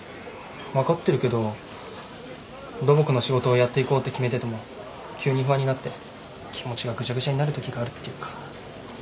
分かってるけど土木の仕事をやっていこうって決めてても急に不安になって気持ちがぐちゃぐちゃになるときがあるっていうか。